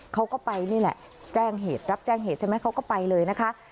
เขาก็ไปนี่แหละแจ้งเหตุรับแจ้งเหตุใช่ไหมเขาก็ไปเลยนะคะ